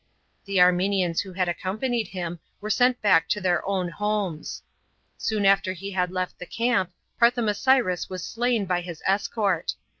The Armenians who had accom, ani<d him were sent back to their own homes. Soon alter lie had left the camp, Harthomasins was slain by his escort.